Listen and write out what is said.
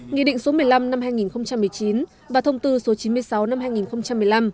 nghị định số một mươi năm năm hai nghìn một mươi chín và thông tư số chín mươi sáu năm hai nghìn một mươi năm